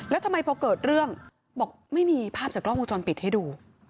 แล้วทำไมพอเกิดเรื่องบอกไม่มีภาพจากกล้องวงจรปิดให้ดู